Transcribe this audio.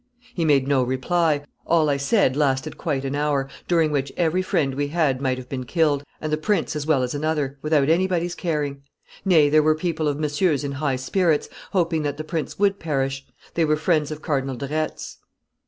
He made no reply: all I said lasted quite an hour, during which every friend we had might have been killed, and the prince as well as another, without anybody's caring; nay, there were people of Monsieur's in high spirits, hoping that the prince would perish; they were friends of Cardinal de Retz.